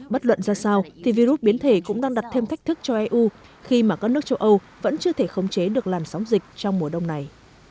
bất luận ra sao thì virus biến thể cũng đang đặt thêm thách thức cho eu khi mà các nước châu âu vẫn chưa thể khống chế được làn sóng dịch trong mùa đông này